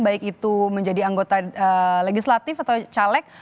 baik itu menjadi anggota legislatif atau caleg